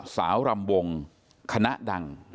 สาวรำวงคณะดัง